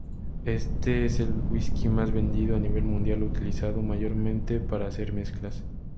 Es el whisky más vendido a nivel mundial, utilizado mayormente para hacer mezclas.